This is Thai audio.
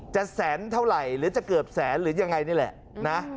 แสนเท่าไหร่หรือจะเกือบแสนหรือยังไงนี่แหละนะ